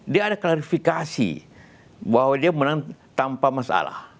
dia ada klarifikasi bahwa dia menang tanpa masalah